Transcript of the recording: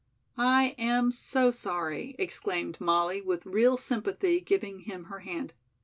"I am so sorry," exclaimed Molly with real sympathy, giving him her hand.